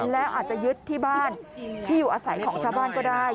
แล้วอาจจะยึดที่บ้านที่อยู่อาศัยของชาวบ้านก็ได้